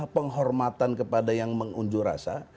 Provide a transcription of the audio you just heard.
penghormatan kepada yang mengunjur rasa